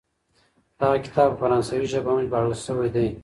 دغه کتاب په فرانسوي ژبه هم ژباړل سوی دی.